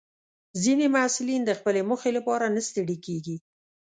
ځینې محصلین د خپلې موخې لپاره نه ستړي کېږي.